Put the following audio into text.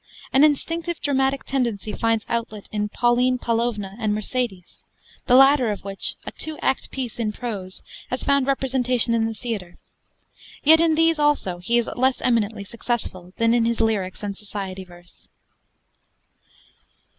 An instinctive dramatic tendency finds outlet in 'Pauline Paulovna' and 'Mercedes' the latter of which, a two act piece in prose, has found representation in the theatre; yet in these, also, he is less eminently successful than in his lyrics and society verse.